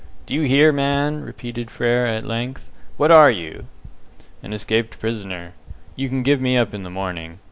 "Do you hear, man?" repeated Frere, at length. "What are you?" "An escaped prisoner. You can give me up in the morning.